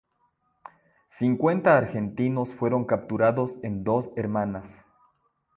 Cincuenta argentinos fueron capturados en Dos Hermanas.